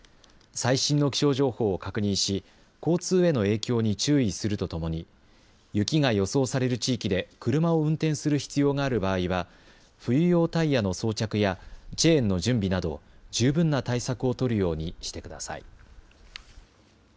最新の気象情報を確認し交通への影響に注意するとともに雪が予想される地域で車を運転する必要がある場合は冬用タイヤの装着やチェーンの準備など十分な対策を取るようにしてください。